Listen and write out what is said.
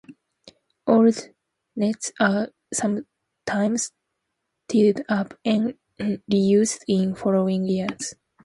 Old nests are sometimes tidied up and reused in following years.